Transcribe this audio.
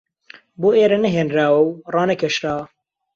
بۆ ئێرە نەهێنراوە و ڕانەکێشراوە